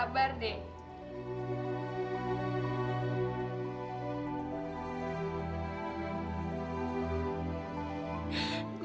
gue sabar dek